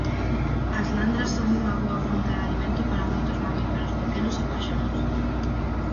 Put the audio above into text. As landras son unha boa fonte de alimento para moitos mamíferos pequenos e paxaros.